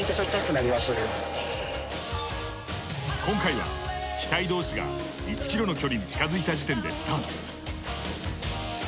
今回は機体同士が１ｋｍの距離に近づいた時点でスタート。